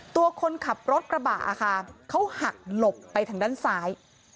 ตัวคนขับรถกระบะค่ะเขาหักหลบไปทางด้านซ้าย